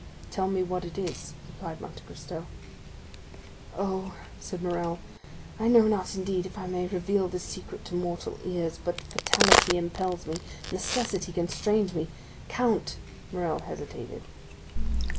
"Tell me what it is," replied Monte Cristo. "Oh," said Morrel, "I know not, indeed, if I may reveal this secret to mortal ears, but fatality impels me, necessity constrains me, count——" Morrel hesitated.